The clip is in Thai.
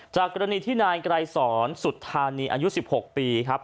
จากกรณีที่๙กรายศรสุธานีอายุ๑๖ปีครับ